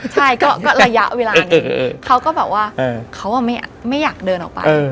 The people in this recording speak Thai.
ใช่ก็ระยะเวลานี้เขาก็แบบว่าเขาไม่อยากเดินออกไป